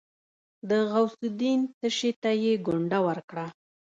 د غوث الدين تشي ته يې ګونډه ورکړه.